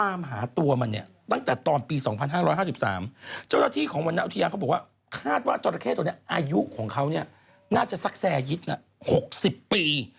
อายุของเขาเนี่ยน่าจะสักแสหยิดนะ๖๐ปี